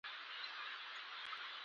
ژوند په مینه او انسانیت ښکلی دی.